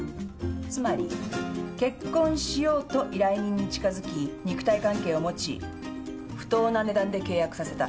つまり結婚しようと依頼人に近づき肉体関係を持ち不当な値段で契約させた。